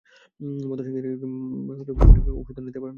মাতঙ্গিনীকে মঙ্গলার নিকট হইতে গােপনে ঔষধ আনাইতে পাঠাইলেন।